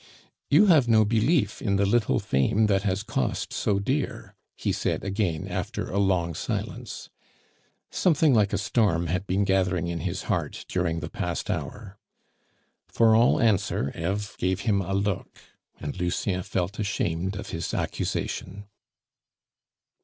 "You have no belief in the little fame that has cost so dear!" he said again after a long silence. Something like a storm had been gathering in his heart during the past hour. For all answer Eve gave him a look, and Lucien felt ashamed of his accusation.